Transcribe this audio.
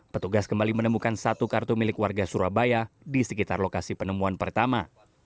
petugas kembali menemukan satu kartu milik warga surabaya di sekitar lokasi penemuan pertama